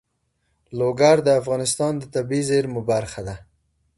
لوگر د افغانستان د طبیعي زیرمو برخه ده.